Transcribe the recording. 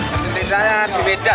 peserta di medan